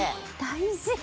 大事。